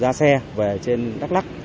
ra xe về trên đắk lắc